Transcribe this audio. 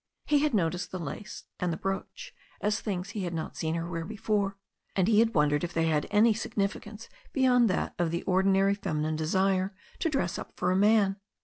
He had noticed the lace and the brooch as things he had not seen her wear before, and he had won dered if they had any significance beyond that of the or dinary feminine desire to dress up for a man.